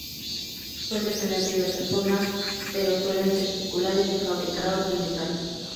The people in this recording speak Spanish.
Suele tener diversas formas, pero suelen ser circulares y fabricados en metal.